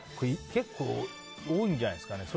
結構、多いんじゃないですかね。